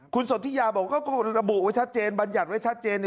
คุณสนทิยาบอกว่าก็ระบุไว้ชัดเจนบัญญัติไว้ชัดเจน